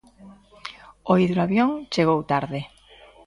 O hidroavión chegou tarde.